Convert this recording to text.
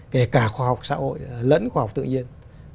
kể cả khoa học xã hội lẫn khoa học tự nhiên